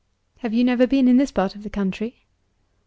"Have you never been in this part of the country?"